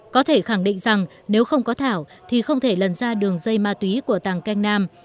có thể khẳng định rằng nếu không có thảo thì không thể lần ra đường dây ma túy của tàng canh nam